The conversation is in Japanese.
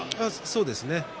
そうですね。